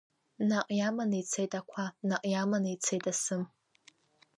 Наҟ иаманы ицеит ақәа, наҟ иаманы ицеит асы.